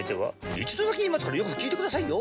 一度だけ言いますからよく聞いてくださいよ。